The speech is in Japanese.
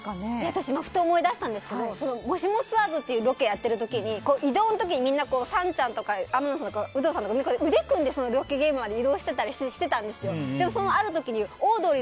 私、ふと思い出したんですけど「もしもツアーズ」っていうロケをやってる時に移動のときにみんなサンちゃんとかウドさんとか腕組んでロケ現場まで移動していたりしてたんですよ。